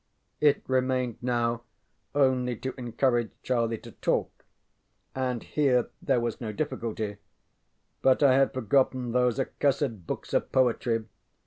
It remained now only to encourage Charlie to talk, and here there was no difficulty. But I had forgotten those accursed books of poetry.